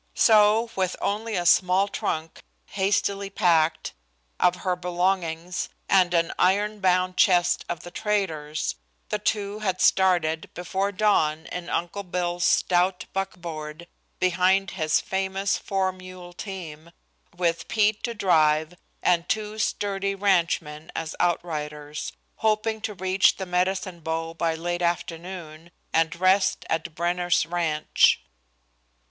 So, with only a small trunk, hastily packed, of her belongings, and an iron bound chest of the trader's, the two had started before dawn in Uncle Bill's stout buckboard, behind his famous four mule team, with Pete to drive, and two sturdy ranchmen as outriders, hoping to reach the Medicine Bow by late afternoon, and rest at Brenner's Ranch.